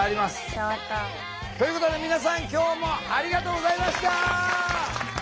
伝わった。ということで皆さん今日もありがとうございました！